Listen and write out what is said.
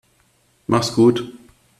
Mach's gut.